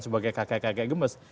sebagai kakek kakek gemes